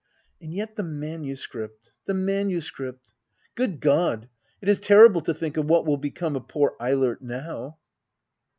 ] And yet the manuscript — the manuscript I Good God ! it is terrible to think what will become of poor Eilert now.